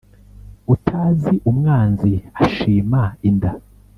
Utazi umwanzi ashima inda.